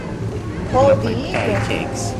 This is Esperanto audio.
Ho, diino!